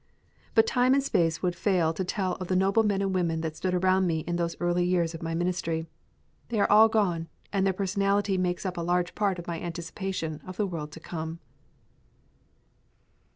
But time and space would fail to tell of the noble men and women that stood around me in those early years of my ministry. They are all gone, and their personality makes up a large part of my anticipation of the world to come.